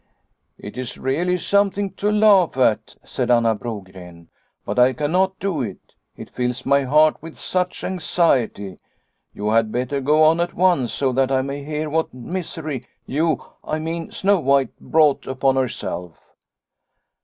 "It is really something to laugh at," said Anna Brogren, " but I cannot do it. It fills my heart with such anxiety. You had better go on at once so that I may hear what misery you I mean Snow White brought upon her self."